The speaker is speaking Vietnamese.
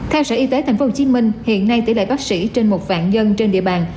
theo sở y tế tp hcm hiện nay tỷ lệ bác sĩ trên một vạn dân trên địa bàn